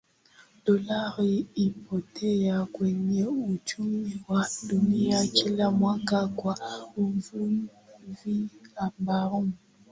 Dolari hupotea kwenye uchumi wa dunia kila mwaka kwa uvuvi haramu